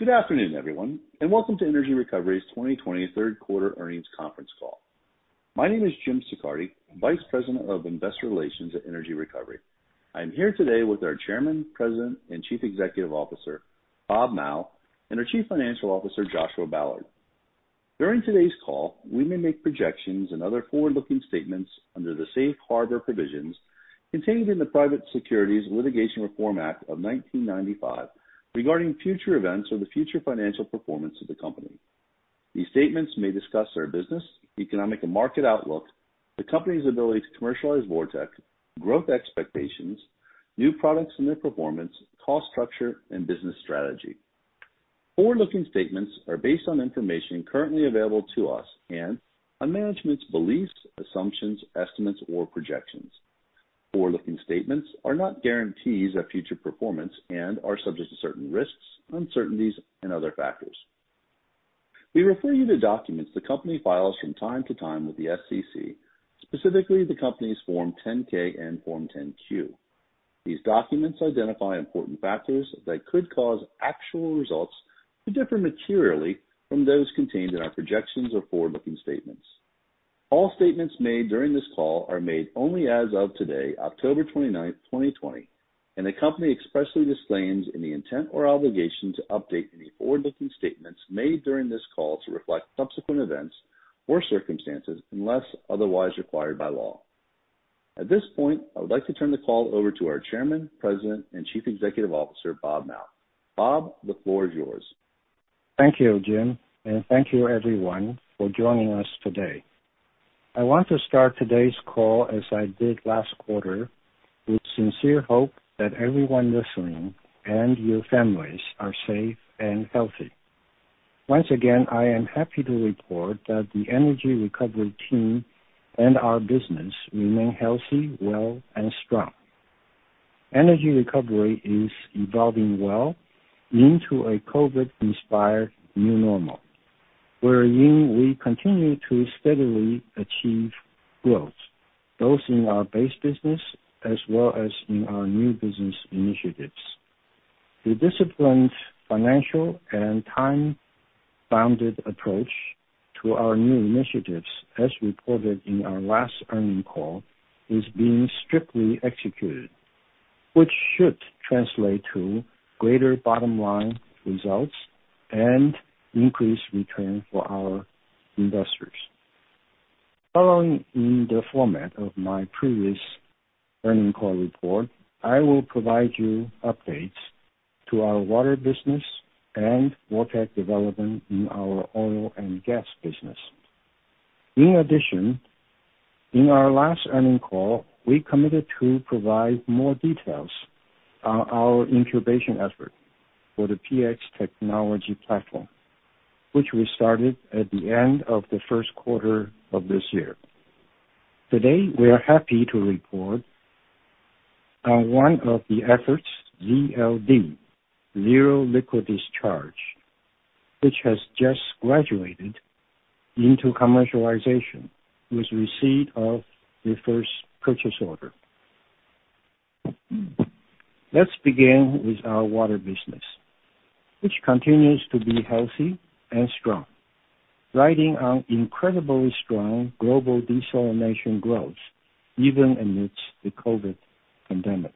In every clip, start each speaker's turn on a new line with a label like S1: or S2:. S1: Good afternoon, everyone, and welcome to Energy Recovery's 2020 Q3 earnings conference call. My name is Jim Siccardi, Vice President of Investor Relations at Energy Recovery. I'm here today with our Chairman, President, and Chief Executive Officer, Bob Mao, and our Chief Financial Officer, Joshua Ballard. During today's call, we may make projections and other forward-looking statements under the Safe Harbor provisions contained in the Private Securities Litigation Reform Act of 1995 regarding future events or the future financial performance of the company. These statements may discuss our business, economic, and market outlook, the company's ability to commercialize VorTeq, growth expectations, new products and their performance, cost structure, and business strategy. Forward-looking statements are based on information currently available to us and on management's beliefs, assumptions, estimates, or projections. Forward-looking statements are not guarantees of future performance and are subject to certain risks, uncertainties, and other factors. We refer you to documents the company files from time to time with the SEC, specifically the company's Form 10-K and Form 10-Q. These documents identify important factors that could cause actual results to differ materially from those contained in our projections or forward-looking statements. All statements made during this call are made only as of today, October 29th, 2020, and the company expressly disclaims any intent or obligation to update any forward-looking statements made during this call to reflect subsequent events or circumstances unless otherwise required by law. At this point, I would like to turn the call over to our Chairman, President, and Chief Executive Officer, Bob Mao. Bob, the floor is yours.
S2: Thank you, Jim, and thank you everyone for joining us today. I want to start today's call as I did last quarter, with sincere hope that everyone listening and your families are safe and healthy. Once again, I am happy to report that the Energy Recovery team and our business remain healthy, well, and strong. Energy Recovery is evolving well into a COVID-inspired new normal, wherein we continue to steadily achieve growth, both in our base business as well as in our new business initiatives. The disciplined financial and time-bounded approach to our new initiatives, as reported in our last earnings call, is being strictly executed, which should translate to greater bottom-line results and increased return for our investors. Following in the format of my previous earnings call report, I will provide you updates to our water business and VorTeq development in our oil and gas business. In addition, in our last earnings call, we committed to provide more details on our incubation effort for the PX technology platform, which we started at the end of the first quarter of this year. Today, we are happy to report on one of the efforts, ZLD, zero liquid discharge, which has just graduated into commercialization with receipt of the first purchase order. Let's begin with our water business, which continues to be healthy and strong, riding on incredibly strong global desalination growth even amidst the COVID pandemic.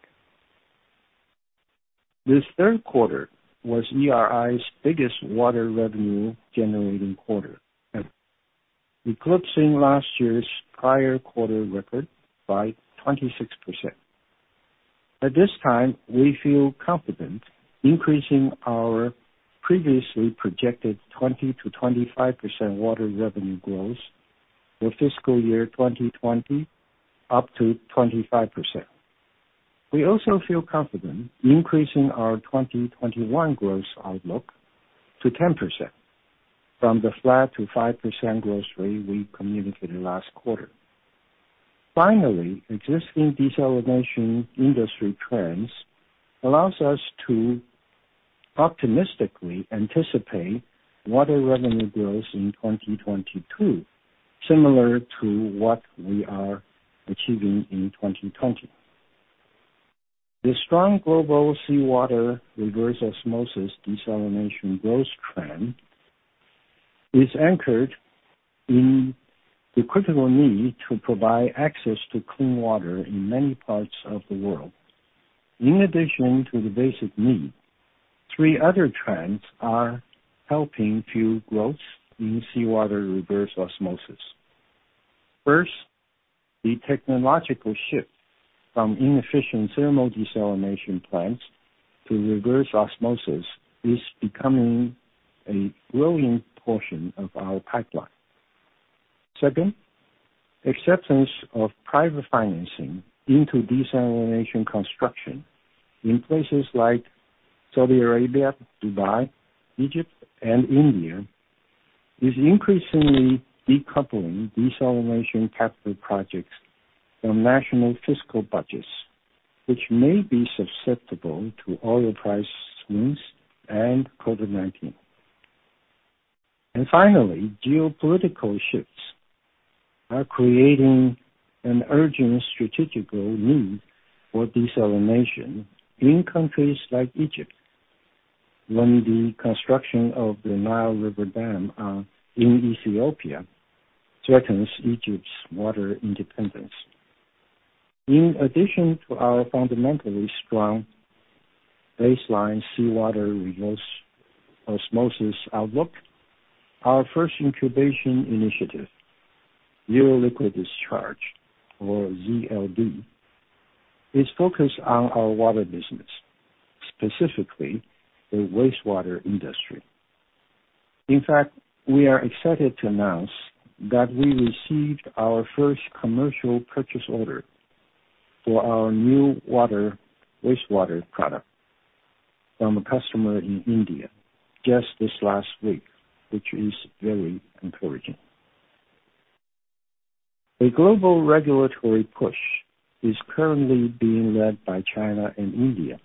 S2: This third quarter was ERI's biggest water revenue generating quarter, eclipsing last year's prior quarter record by 26%. At this time, we feel confident increasing our previously projected 20%-25% water revenue growth for fiscal year 2020 up to 25%. We also feel confident increasing our 2021 growth outlook to 10% from the flat to 5% growth rate we communicated last quarter. Finally, existing desalination industry trends allows us to optimistically anticipate water revenue growth in 2022 similar to what we are achieving in 2020. The strong global seawater reverse osmosis desalination growth trend is anchored in the critical need to provide access to clean water in many parts of the world. In addition to the basic need, three other trends are helping fuel growth in seawater reverse osmosis. First, the technological shift from inefficient thermal desalination plants to reverse osmosis is becoming a growing portion of our pipeline. Second, acceptance of private financing into desalination construction in places like Saudi Arabia, Dubai, Egypt, and India is increasingly decoupling desalination capital projects from national fiscal budgets, which may be susceptible to oil price swings and COVID-19. Finally, geopolitical shifts are creating an urgent strategical need for desalination in countries like Egypt, when the construction of the Nile River dam in Ethiopia threatens Egypt's water independence. In addition to our fundamentally strong baseline seawater reverse osmosis outlook, our first incubation initiative, zero liquid discharge or ZLD, is focused on our water business, specifically the wastewater industry. In fact, we are excited to announce that we received our first commercial purchase order for our new wastewater product from a customer in India just this last week, which is very encouraging. A global regulatory push is currently being led by China and India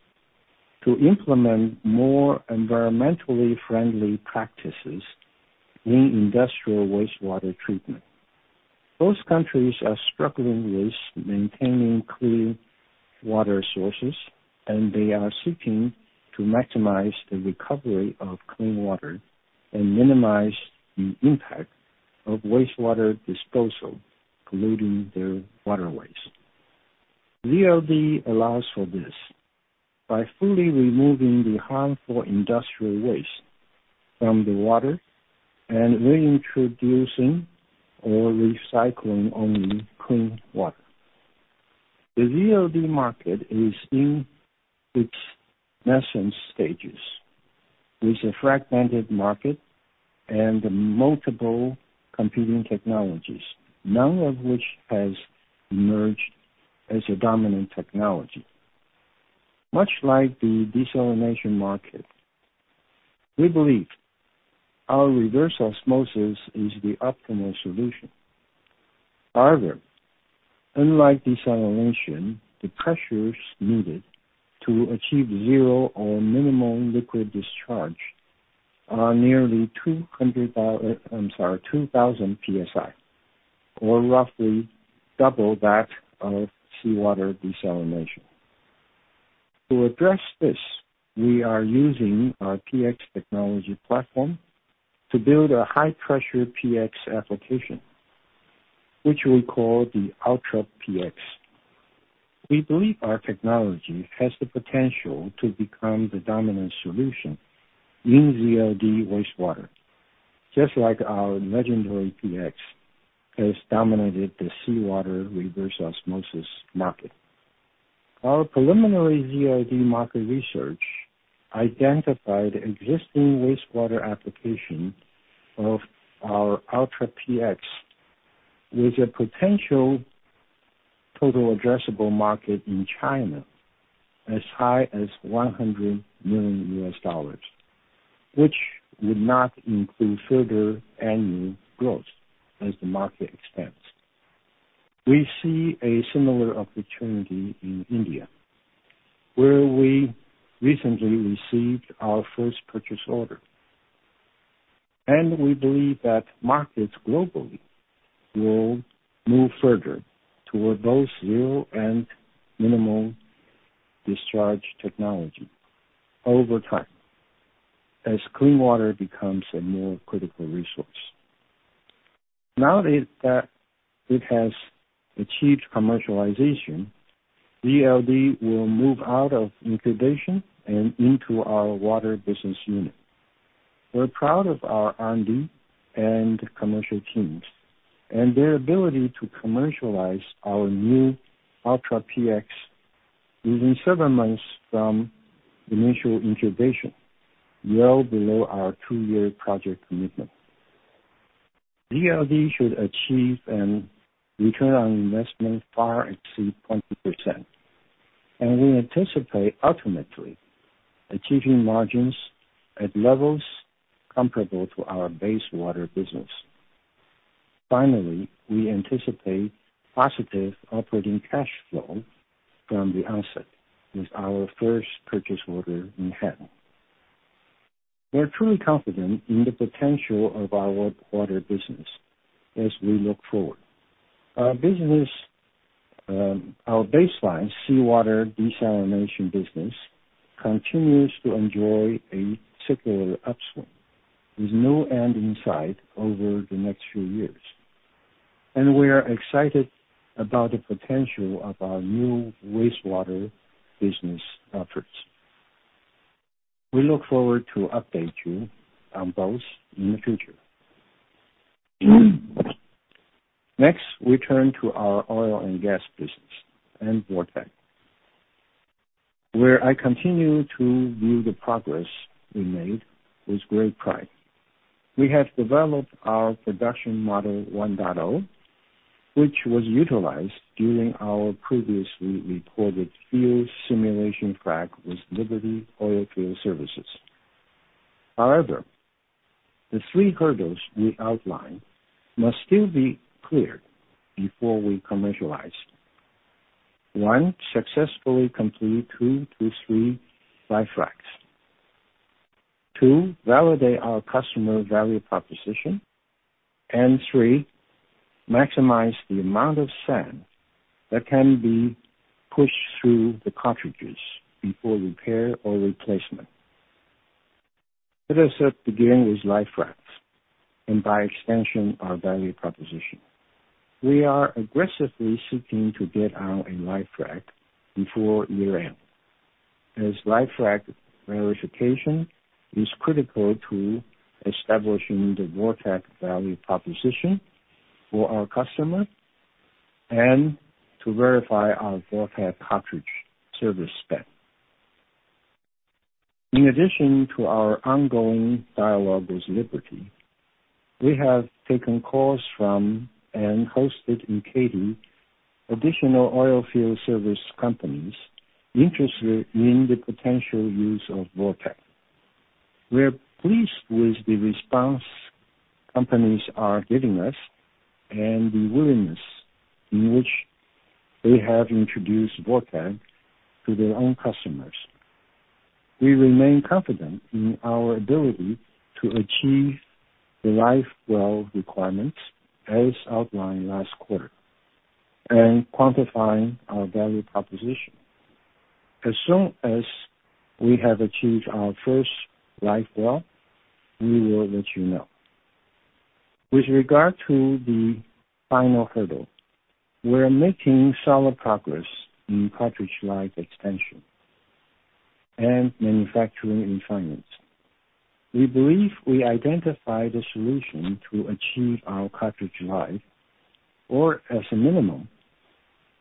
S2: to implement more environmentally friendly practices in industrial wastewater treatment. Both countries are struggling with maintaining clean water sources, and they are seeking to maximize the recovery of clean water and minimize the impact of wastewater disposal polluting their waterways. ZLD allows for this by fully removing the harmful industrial waste from the water and reintroducing or recycling only clean water. The ZLD market is in its nascent stages, with a fragmented market and multiple competing technologies, none of which has emerged as a dominant technology. Much like the desalination market, we believe our reverse osmosis is the optimal solution. However, unlike desalination, the pressures needed to achieve zero or minimum liquid discharge are nearly 2,000 PSI, or roughly double that of seawater desalination. To address this, we are using our PX technology platform to build a high-pressure PX application, which we call the Ultra PX. We believe our technology has the potential to become the dominant solution in ZLD wastewater, just like our legendary PX has dominated the seawater reverse osmosis market. Our preliminary ZLD market research identified existing wastewater application of our Ultra PX with a potential total addressable market in China as high as $100 million, which would not include further annual growth as the market expands. We see a similar opportunity in India, where we recently received our first purchase order. We believe that markets globally will move further toward both zero and minimal discharge technology over time as clean water becomes a more critical resource. Now that it has achieved commercialization, ZLD will move out of incubation and into our water business unit. We're proud of our R&D and commercial teams and their ability to commercialize our new Ultra PX within seven months from initial incubation, well below our two-year project commitment. ZLD should achieve an return on investment far exceed 20%, We anticipate ultimately achieving margins at levels comparable to our base water business. Finally, we anticipate positive operating cash flow from the onset with our first purchase order in hand. We are truly confident in the potential of our water business as we look forward. Our baseline seawater desalination business continues to enjoy a cyclical upswing, with no end in sight over the next few years. We are excited about the potential of our new wastewater business efforts. We look forward to update you on both in the future. Next, we turn to our oil and gas business and VorTeq, where I continue to view the progress we made with great pride. We have developed our production model 1.0, which was utilized during our previously reported field simulation test with Liberty Oilfield Services. However, the three hurdles we outlined must still be cleared before we commercialize. One, successfully complete two to three live wells. Two, validate our customer value proposition. Three, maximize the amount of sand that can be pushed through the cartridges before repair or replacement. Let us start beginning with live wells, and by extension, our value proposition. We are aggressively seeking to get out a live well before year-end, as live well verification is critical to establishing the VorTeq value proposition for our customer and to verify our VorTeq cartridge service spec. In addition to our ongoing dialogue with Liberty, we have taken calls from and hosted in Katy additional oilfield service companies interested in the potential use of VorTeq. We're pleased with the response companies are giving us and the willingness in which they have introduced VorTeq to their own customers. We remain confident in our ability to achieve the live well requirements as outlined last quarter and quantifying our value proposition. As soon as we have achieved our first live well, we will let you know. With regard to the final hurdle, we're making solid progress in cartridge life expansion and manufacturing refinements. We believe we identified a solution to achieve our cartridge life, or as a minimum,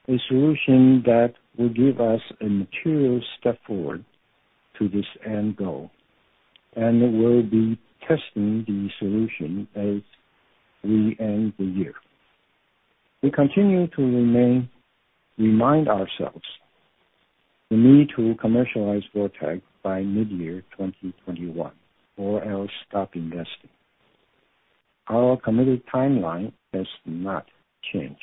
S2: a solution that will give us a material step forward to this end goal, and we'll be testing the solution as we end the year. We continue to remind ourselves the need to commercialize VorTeq by mid-year 2021, or else stop investing. Our committed timeline has not changed.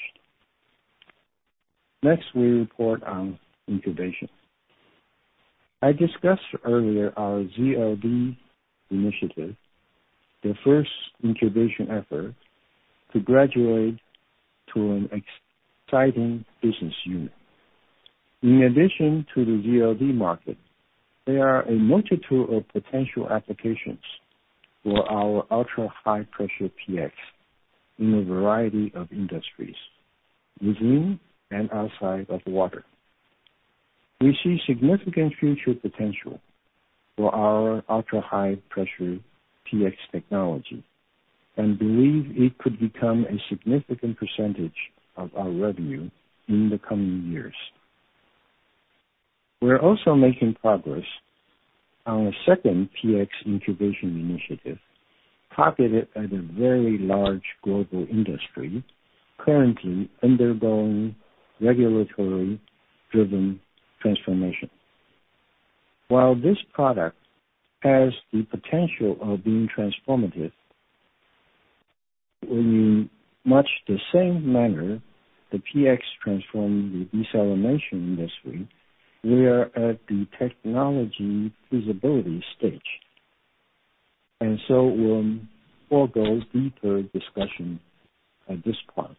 S2: We report on incubation. I discussed earlier our ZLD initiative, the first incubation effort to graduate to an exciting business unit. In addition to the ZLD market, there are a multitude of potential applications for our ultra-high-pressure PX in a variety of industries within and outside of water. We see significant future potential for our ultra-high-pressure PX technology and believe it could become a significant percentage of our revenue in the coming years. We're also making progress on a second PX incubation initiative targeted at a very large global industry currently undergoing regulatory-driven transformation. While this product has the potential of being transformative, in much the same manner the PX transformed the desalination industry, we are at the technology feasibility stage, we'll forgo deeper discussion at this point.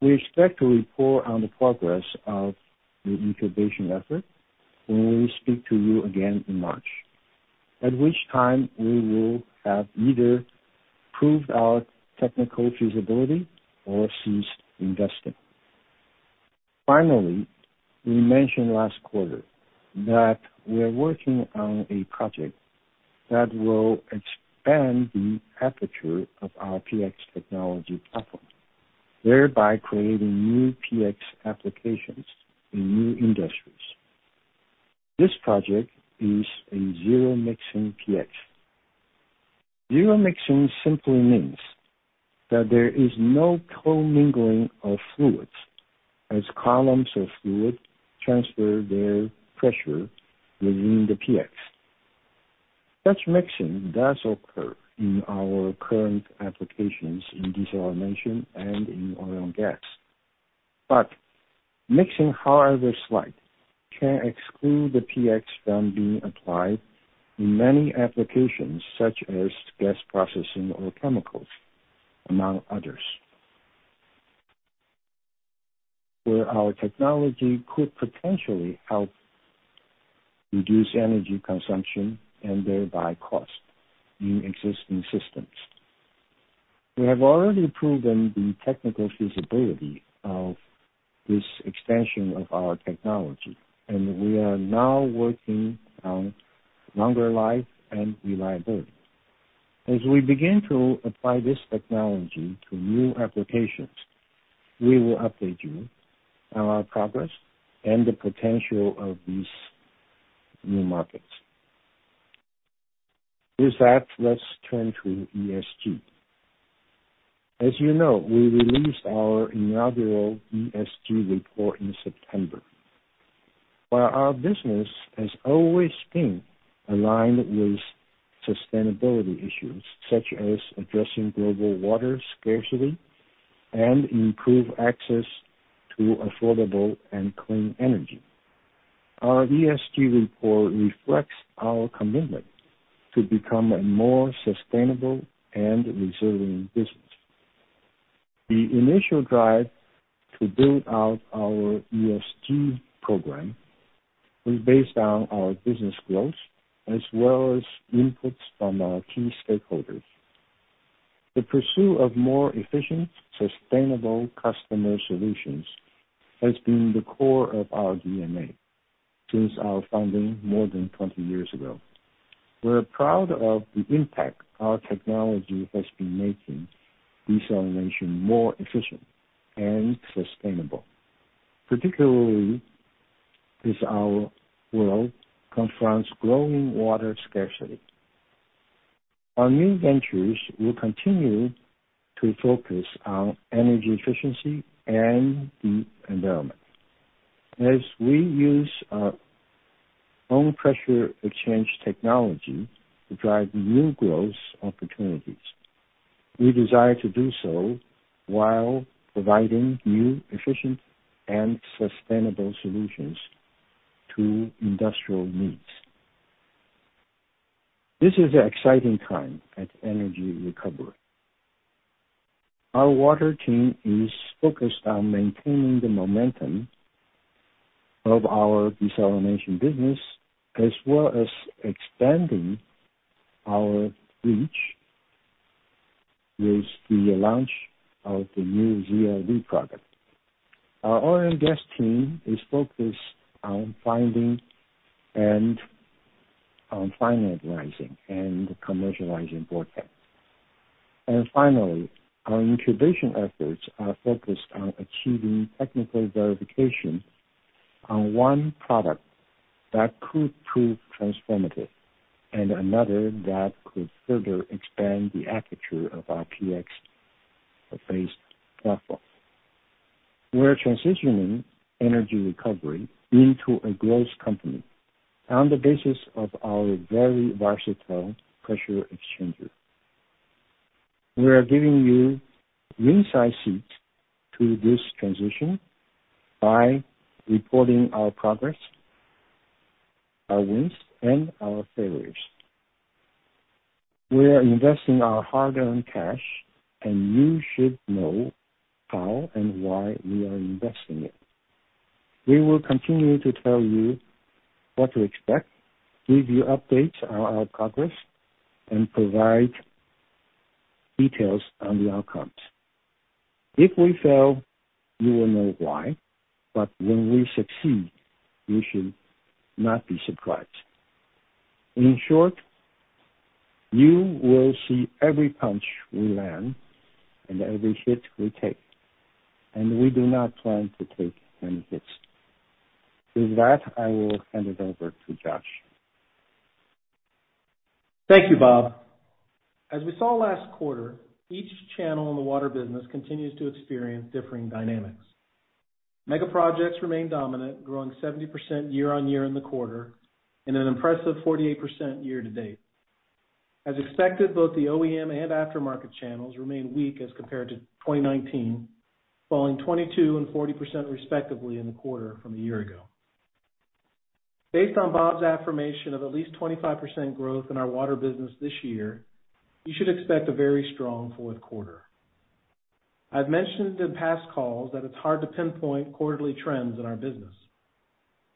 S2: We expect to report on the progress of the incubation effort when we speak to you again in March, at which time we will have either proved our technical feasibility or ceased investing. Finally, we mentioned last quarter that we're working on a project that will expand the aperture of our PX technology platform, thereby creating new PX applications in new industries. This project is a zero-mixing PX. Zero-mixing simply means that there is no co-mingling of fluids as columns of fluid transfer their pressure within the PX. Such mixing does occur in our current applications in desalination and in oil and gas. Mixing, however slight, can exclude the PX from being applied in many applications, such as gas processing or chemicals, among others, where our technology could potentially help reduce energy consumption and thereby cost in existing systems. We have already proven the technical feasibility of this extension of our technology, and we are now working on longer life and reliability. As we begin to apply this technology to new applications, we will update you on our progress and the potential of these new markets. With that, let's turn to ESG. As you know, we released our inaugural ESG report in September. While our business has always been aligned with sustainability issues such as addressing global water scarcity and improve access to affordable and clean energy, our ESG report reflects our commitment to become a more sustainable and resilient business. The initial drive to build out our ESG program was based on our business goals as well as inputs from our key stakeholders. The pursuit of more efficient, sustainable customer solutions has been the core of our DNA since our founding more than 20 years ago. We're proud of the impact our technology has been making desalination more efficient and sustainable, particularly as our world confronts growing water scarcity. Our new ventures will continue to focus on energy efficiency and the environment as we use our own pressure exchanger technology to drive new growth opportunities. We desire to do so while providing new efficient and sustainable solutions to industrial needs. This is an exciting time at Energy Recovery. Our water team is focused on maintaining the momentum of our desalination business as well as expanding our reach with the launch of the new ZLD product. Our oil and gas team is focused on finding and on finalizing and commercializing VorTeq. Finally, our incubation efforts are focused on achieving technical verification on one product that could prove transformative and another that could further expand the aperture of our PX-based platform. We're transitioning Energy Recovery into a growth company on the basis of our very versatile pressure exchanger. We are giving you ringside seats to this transition by reporting our progress, our wins, and our failures. We are investing our hard-earned cash, and you should know how and why we are investing it. We will continue to tell you what to expect, give you updates on our progress, and provide details on the outcomes. If we fail, you will know why, but when we succeed, you should not be surprised. In short, you will see every punch we land and every hit we take. We do not plan to take many hits. With that, I will hand it over to Josh.
S3: Thank you, Bob. As we saw last quarter, each channel in the water business continues to experience differing dynamics. Megaprojects remain dominant, growing 70% year-on-year in the quarter and an impressive 48% year-to-date. As expected, both the OEM and aftermarket channels remain weak as compared to 2019, falling 22% and 40% respectively in the quarter from a year ago. Based on Bob's affirmation of at least 25% growth in our water business this year, you should expect a very strong fourth quarter. I've mentioned in past calls that it's hard to pinpoint quarterly trends in our business.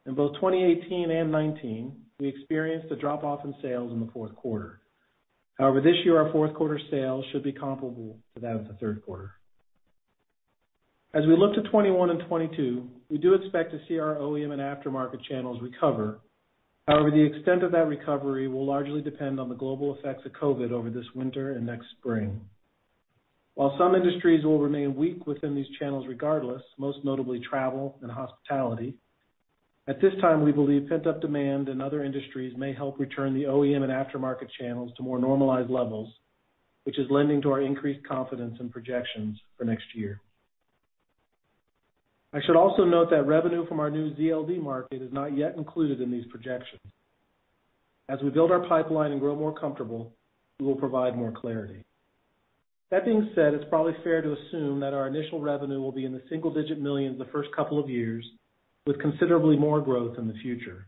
S3: In both 2018 and 2019, we experienced a drop-off in sales in the fourth quarter. However, this year, our fourth quarter sales should be comparable to that of the third quarter. As we look to 2021 and 2022, we do expect to see our OEM and aftermarket channels recover. The extent of that recovery will largely depend on the global effects of COVID over this winter and next spring. While some industries will remain weak within these channels regardless, most notably travel and hospitality, at this time, we believe pent-up demand in other industries may help return the OEM and aftermarket channels to more normalized levels, which is lending to our increased confidence and projections for next year. I should also note that revenue from our new ZLD market is not yet included in these projections. As we build our pipeline and grow more comfortable, we will provide more clarity. That being said, it's probably fair to assume that our initial revenue will be in the single-digit millions the first couple of years, with considerably more growth in the future.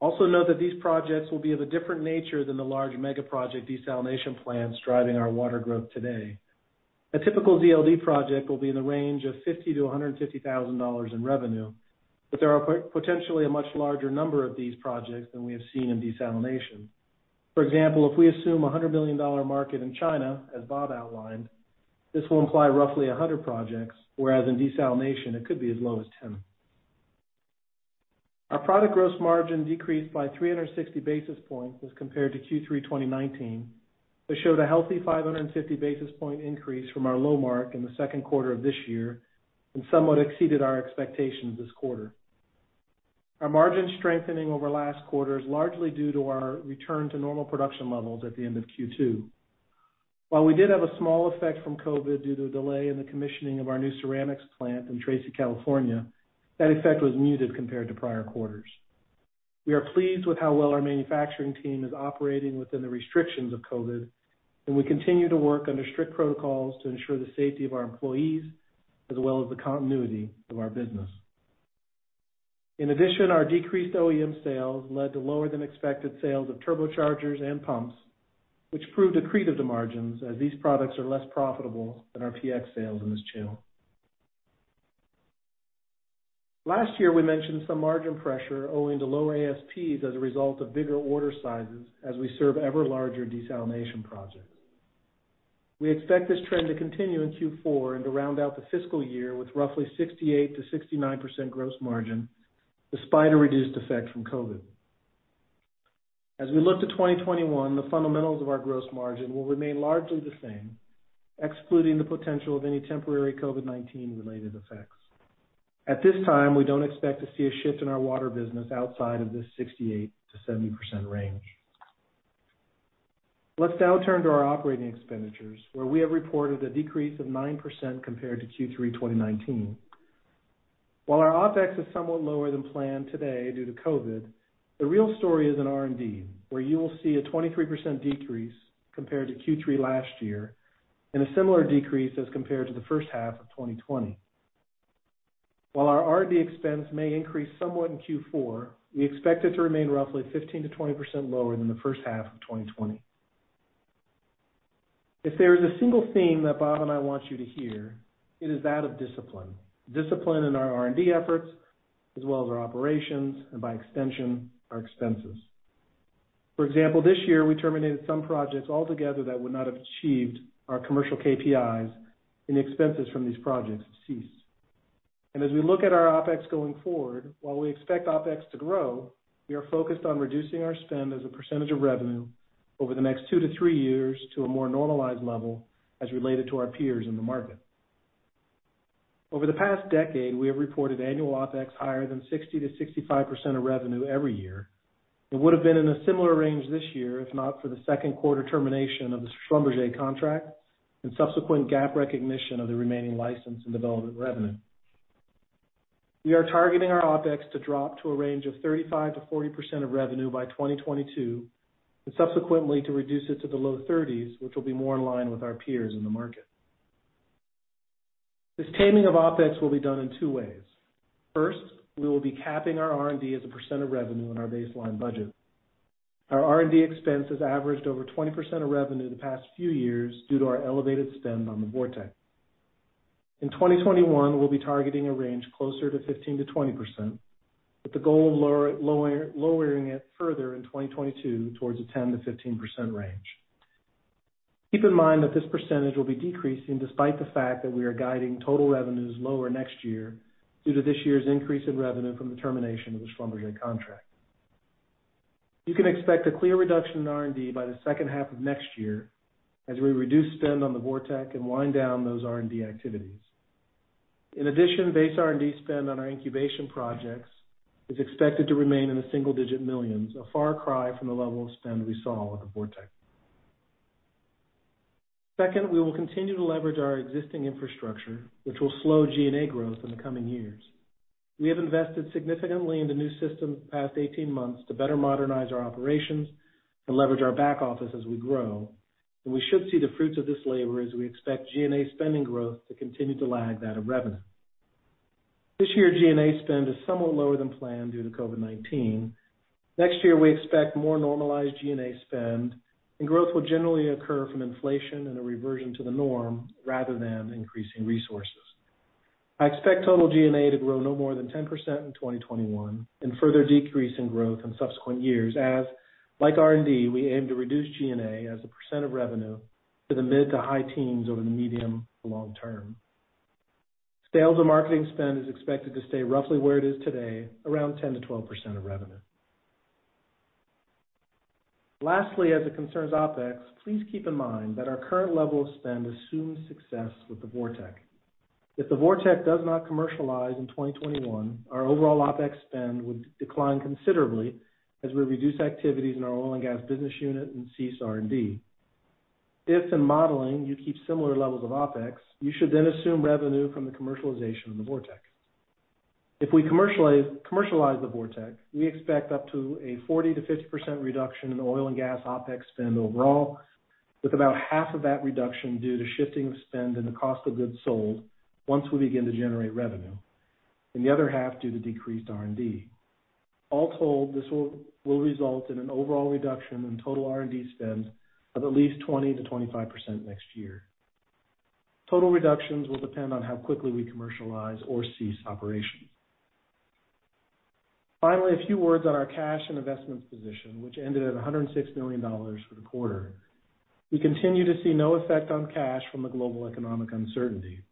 S3: Also note that these projects will be of a different nature than the large megaproject desalination plants driving our water growth today. A typical ZLD project will be in the range of $50,000-$150,000 in revenue, but there are potentially a much larger number of these projects than we have seen in desalination. For example, if we assume a $100 million market in China, as Bob outlined, this will imply roughly 100 projects, whereas in desalination, it could be as low as 10. Our product gross margin decreased by 360 basis points as compared to Q3 2019, but showed a healthy 550 basis point increase from our low mark in the second quarter of this year and somewhat exceeded our expectations this quarter. Our margin strengthening over last quarter is largely due to our return to normal production levels at the end of Q2. While we did have a small effect from COVID due to a delay in the commissioning of our new ceramics plant in Tracy, California, that effect was muted compared to prior quarters. We are pleased with how well our manufacturing team is operating within the restrictions of COVID, and we continue to work under strict protocols to ensure the safety of our employees as well as the continuity of our business. In addition, our decreased OEM sales led to lower than expected sales of turbochargers and pumps, which proved accretive to margins, as these products are less profitable than our PX sales in this channel. Last year, we mentioned some margin pressure owing to lower ASPs as a result of bigger order sizes as we serve ever larger desalination projects. We expect this trend to continue in Q4 and to round out the fiscal year with roughly 68%-69% gross margin, despite a reduced effect from COVID. As we look to 2021, the fundamentals of our gross margin will remain largely the same, excluding the potential of any temporary COVID-19 related effects. At this time, we don't expect to see a shift in our water business outside of this 68%-70% range. Let's now turn to our operating expenditures, where we have reported a decrease of 9% compared to Q3 2019. While our OPEX is somewhat lower than planned today due to COVID, the real story is in R&D, where you will see a 23% decrease compared to Q3 last year, and a similar decrease as compared to the first half of 2020. While our R&D expense may increase somewhat in Q4, we expect it to remain roughly 15%-20% lower than the H1 of 2020. If there is a single theme that Bob and I want you to hear, it is that of discipline. Discipline in our R&D efforts, as well as our operations, and by extension, our expenses. For example, this year, we terminated some projects altogether that would not have achieved our commercial KPIs, and expenses from these projects ceased. As we look at our OPEX going forward, while we expect OPEX to grow, we are focused on reducing our spend as a percentage of revenue over the next two to three years to a more normalized level as related to our peers in the market. Over the past decade, we have reported annual OPEX higher than 60%-65% of revenue every year and would have been in a similar range this year, if not for the second quarter termination of the Schlumberger contract and subsequent GAAP recognition of the remaining license and development revenue. We are targeting our OPEX to drop to a range of 35%-40% of revenue by 2022, and subsequently to reduce it to the low 30s, which will be more in line with our peers in the market. This taming of OPEX will be done in two ways. First, we will be capping our R&D as a % of revenue in our baseline budget. Our R&D expense has averaged over 20% of revenue the past few years due to our elevated spend on the VorTeq. In 2021, we'll be targeting a range closer to 15%-20%, with the goal of lowering it further in 2022 towards a 10%-15% range. Keep in mind that this percentage will be decreasing despite the fact that we are guiding total revenues lower next year due to this year's increase in revenue from the termination of the Schlumberger contract. You can expect a clear reduction in R&D by the second half of next year as we reduce spend on the VorTeq and wind down those R&D activities. In addition, base R&D spend on our incubation projects is expected to remain in the single digit millions, a far cry from the level of spend we saw with the VorTeq. Second, we will continue to leverage our existing infrastructure, which will slow G&A growth in the coming years. We have invested significantly in the new system the past 18 months to better modernize our operations and leverage our back office as we grow. We should see the fruits of this labor as we expect G&A spending growth to continue to lag that of revenue. This year, G&A spend is somewhat lower than planned due to COVID-19. Next year, we expect more normalized G&A spend and growth will generally occur from inflation and a reversion to the norm rather than increasing resources. I expect total G&A to grow no more than 10% in 2021 and further decrease in growth in subsequent years as, like R&D, we aim to reduce G&A as a percent of revenue to the mid to high teens over the medium to long term. Sales and marketing spend is expected to stay roughly where it is today, around 10% - 12% of revenue. As it concerns OPEX, please keep in mind that our current level of spend assumes success with the VorTeq. If the VorTeq does not commercialize in 2021, our overall OPEX spend would decline considerably as we reduce activities in our oil and gas business unit and cease R&D. If in modeling, you keep similar levels of OPEX, you should then assume revenue from the commercialization of the VorTeq. If we commercialize the VorTeq, we expect up to a 40%-50% reduction in oil and gas OPEX spend overall, with about half of that reduction due to shifting of spend and the cost of goods sold once we begin to generate revenue, and the other half due to decreased R&D. All told, this will result in an overall reduction in total R&D spend of at least 20%-25% next year. Total reductions will depend on how quickly we commercialize or cease operations. Finally, a few words on our cash and investments position, which ended at $106 million for the quarter. We continue to see no effect on cash from the global economic uncertainty.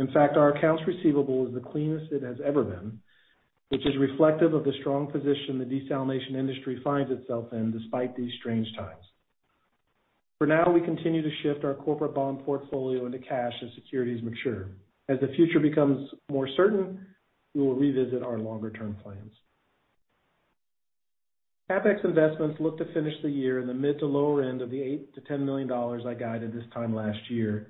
S3: In fact, our accounts receivable is the cleanest it has ever been, which is reflective of the strong position the desalination industry finds itself in despite these strange times. For now, we continue to shift our corporate bond portfolio into cash as securities mature. As the future becomes more certain, we will revisit our longer-term plans. CapEx investments look to finish the year in the mid to lower end of the $8 million-$10 million I guided this time last year.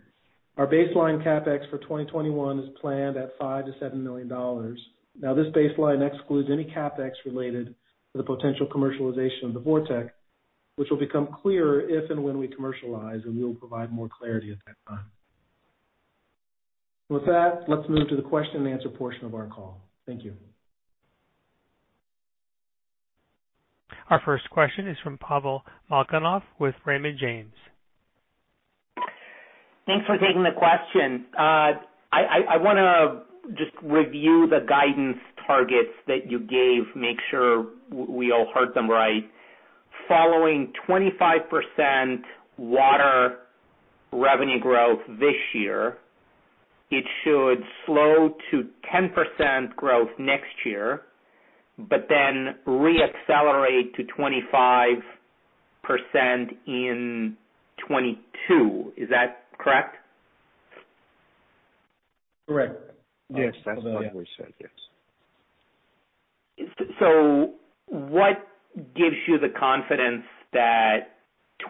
S3: Our baseline CapEx for 2021 is planned at $5 million-$7 million. Now this baseline excludes any CapEx related to the potential commercialization of the VorTeq, which will become clearer if and when we commercialize, and we will provide more clarity at that time. With that, let's move to the question and answer portion of our call. Thank you.
S4: Our first question is from Pavel Molchanov with Raymond James.
S5: Thanks for taking the question. I want to just review the guidance targets that you gave, make sure we all heard them right. Following 25% water revenue growth this year, it should slow to 10% growth next year, but then re-accelerate to 25% in 2022. Is that correct?
S3: Correct.
S2: Yes, that's what we said. Yes.
S5: What gives you the confidence that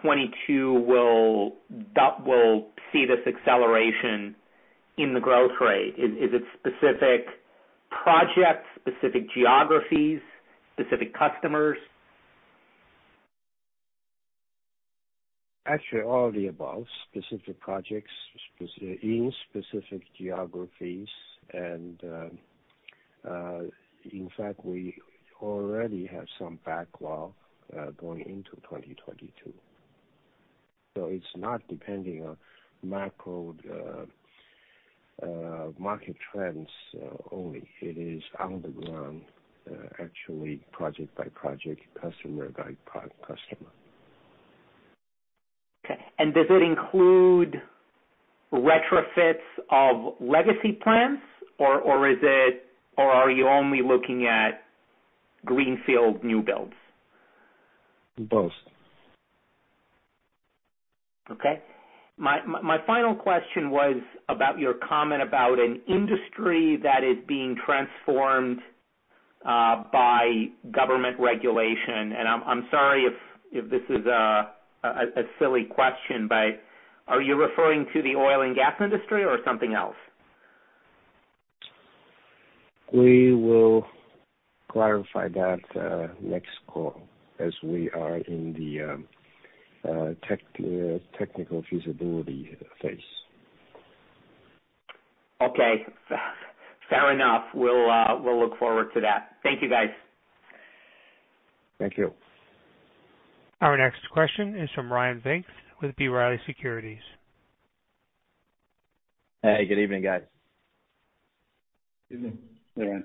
S5: 2022 will see this acceleration in the growth rate? Is it specific projects, specific geographies, specific customers?
S2: Actually, all of the above. Specific projects, in specific geographies, and in fact, we already have some backlog going into 2022. It's not depending on market trends only. It is on the ground, actually project by project, customer by customer.
S5: Okay. Does it include retrofits of legacy plants, or are you only looking at greenfield new builds?
S2: Both.
S5: Okay. My final question was about your comment about an industry that is being transformed by government regulation. I'm sorry if this is a silly question, but are you referring to the oil and gas industry or something else?
S2: We will clarify that next call as we are in the technical feasibility phase.
S5: Okay. Fair enough. We'll look forward to that. Thank you, guys.
S2: Thank you.
S4: Our next question is from Ryan Pfingst with B. Riley Securities.
S6: Hey, good evening, guys.
S3: Evening, Ryan.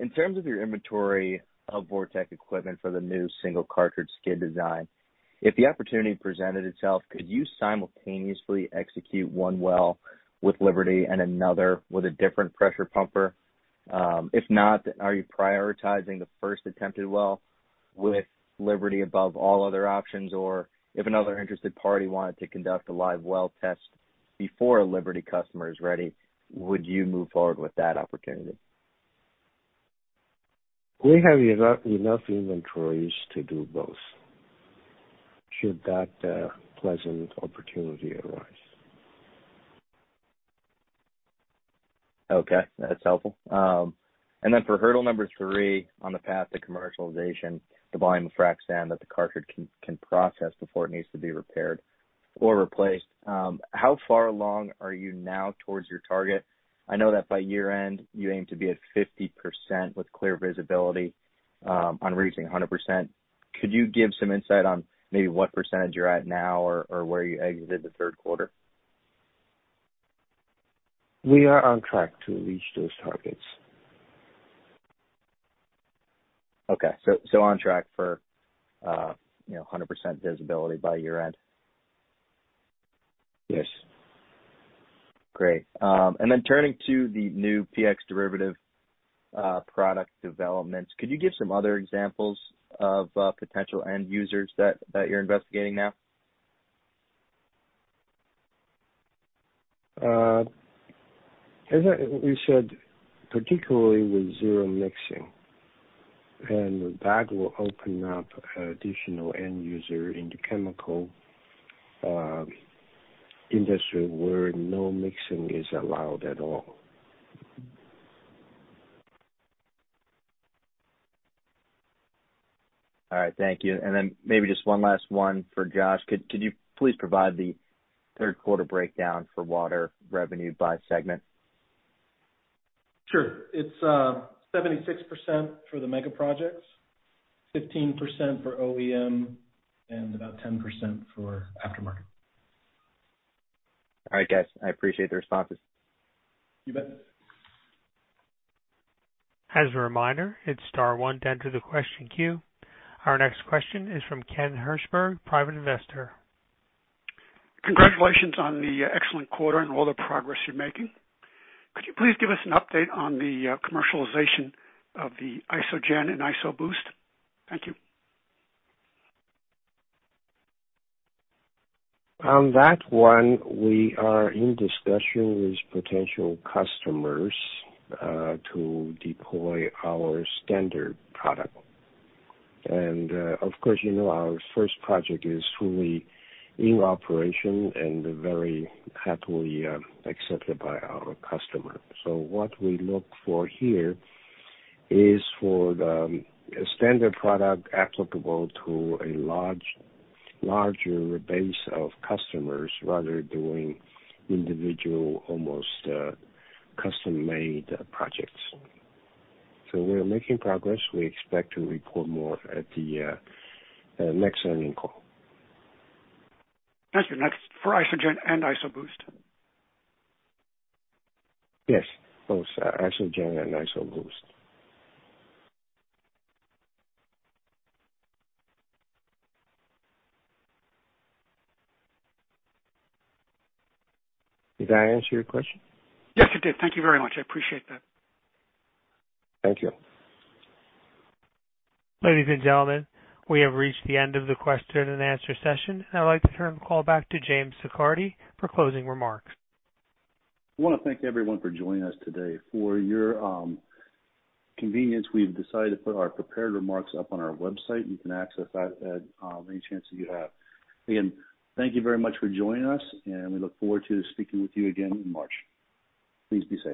S6: In terms of your inventory of VorTeq equipment for the new single cartridge skid design, if the opportunity presented itself, could you simultaneously execute one well with Liberty and another with a different pressure pumper? If not, are you prioritizing the first attempted well with Liberty above all other options? If another interested party wanted to conduct a live well test before a Liberty customer is ready, would you move forward with that opportunity?
S2: We have enough inventories to do both, should that pleasant opportunity arise.
S6: Okay, that's helpful. Then for hurdle number three on the path to commercialization, the volume of frac sand that the cartridge can process before it needs to be repaired or replaced. How far along are you now towards your target? I know that by year-end, you aim to be at 50% with clear visibility on reaching 100%. Could you give some insight on maybe what percentage you're at now or where you exited Q3?
S2: We are on track to reach those targets.
S6: Okay. On track for 100% visibility by year-end?
S2: Yes.
S6: Great. Turning to the new PX derivative product developments, could you give some other examples of potential end users that you're investigating now?
S2: As we said, particularly with zero mixing, that will open up additional end user in the chemical industry where no mixing is allowed at all.
S6: All right, thank you. Maybe just one last one for Josh. Could you please provide the third quarter breakdown for water revenue by segment?
S3: Sure. It's 76% for the megaprojects, 15% for OEM, and about 10% for aftermarket.
S6: All right, guys. I appreciate the responses.
S3: You bet.
S4: As a reminder, hit star one to enter the question queue. Our next question is from Ken Hirshberg, private investor.
S7: Congratulations on the excellent quarter and all the progress you're making. Could you please give us an update on the commercialization of the IsoGen and IsoBoost? Thank you.
S2: On that one, we are in discussion with potential customers to deploy our standard product. Of course, you know our first project is fully in operation and very happily accepted by our customer. What we look for here is for the standard product applicable to a larger base of customers, rather doing individual, almost custom-made projects. We are making progress. We expect to report more at the next earning call.
S7: That's for IsoGen and IsoBoost?
S2: Yes, both IsoGen and IsoBoost. Did I answer your question?
S7: Yes, you did. Thank you very much. I appreciate that.
S2: Thank you.
S4: Ladies and gentlemen, we have reached the end of the question-and-answer session, and I'd like to turn the call back to Jim Siccardi for closing remarks.
S1: I want to thank everyone for joining us today. For your convenience, we've decided to put our prepared remarks up on our website. You can access that at any chance you have. Again, thank you very much for joining us, and we look forward to speaking with you again in March. Please be safe.